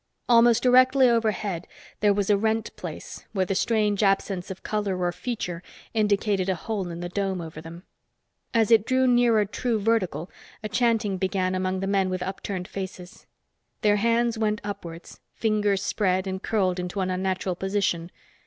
Almost directly overhead, there was a rent place where the strange absence of color or feature indicated a hole in the dome over them. As it drew nearer true vertical, a chanting began among the men with up turned faces. Their hands went upwards, fingers spread and curled into an unnatural position.